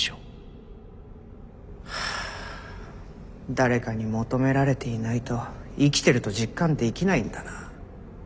誰かに求められていないと生きてると実感できないんだな。